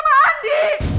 sampai jumpa lagi